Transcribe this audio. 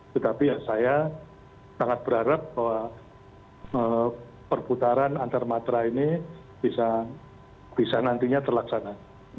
tetapi saya sangat berharap bahwa perputaran antarmatra ini bisa nantinya terlaksana